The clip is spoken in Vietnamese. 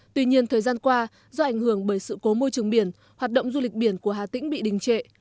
tuy nhiên thời gian qua do ảnh hưởng bởi sự cố môi trường biển hoạt động du lịch biển của hà tĩnh bị đình trệ